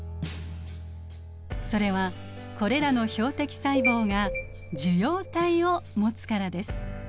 それはこれらの標的細胞が受容体を持つからです。